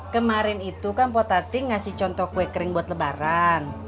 kemarin itu kan potating ngasih contoh kue kering buat lebaran